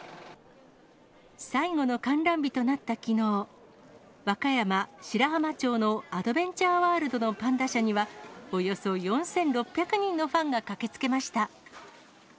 最後の観覧日となったきのう、和歌山・白浜町のアドベンチャーワールドのパンダ舎には、およそ４６００人のファンが駆けつけました。